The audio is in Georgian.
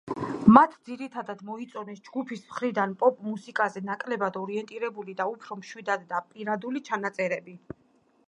მათ ძირითადად მოიწონეს ჯგუფის მხრიდან პოპ-მუსიკაზე ნაკლებად ორიენტირებული და უფრო მშვიდად და პირადული ჩანაწერი.